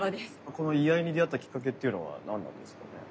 この居合に出会ったきっかけっていうのは何なんですかね？